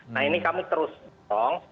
nah ini kami terus dorong